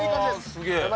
すげえ。